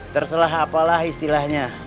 terselah apalah istilahnya